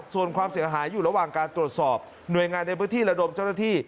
ส่วนความเสียหายอยู่ระหว่างการตรวจสอบหน่วยงานในพื้นที่ระดมเจ้าหน้าที่